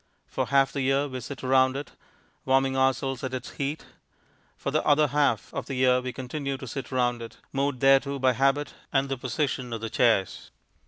For half the year we sit round it, warming ourselves at its heat; for the other half of the year we continue to sit round it, moved thereto by habit and the position of the chairs.